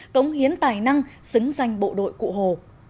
cống hiến tài năng xứng danh bộ đội cụ hồ